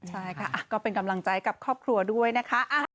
ใช่ค่ะก็เป็นกำลังใจกับครอบครัวด้วยนะคะ